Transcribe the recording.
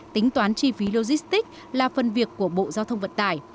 tính toán chi phí logistics là phần việc của bộ giao thông vận tải